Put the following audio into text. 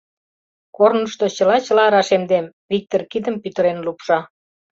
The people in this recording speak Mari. Корнышто чыла-чыла рашемдем, — Виктыр кидым пӱтырен лупша.